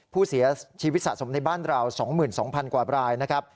ผู้เสียชีวิตสะสมในบ้านเรา๒๒๐๐๐กว่ารายนะครับ